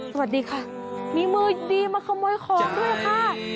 สวัสดีค่ะมีมือดีมาขโมยของด้วยค่ะ